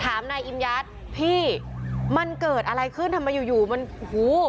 ถามนายอิมยัดพี่มันเกิดอะไรขึ้นทำไมอยู่อยู่มันหู